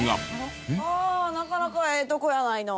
ああなかなかええとこやないの。